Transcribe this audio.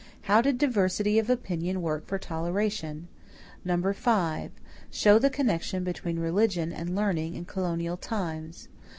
How did diversity of opinion work for toleration? 5. Show the connection between religion and learning in colonial times.